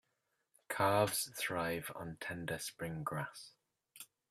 Calves thrive on tender spring grass.